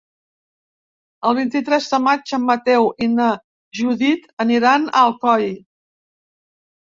El vint-i-tres de maig en Mateu i na Judit aniran a Alcoi.